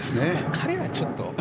彼はちょっと。